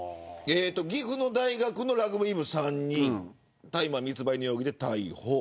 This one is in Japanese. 岐阜の大学のラグビー部３人大麻密売の容疑で逮捕。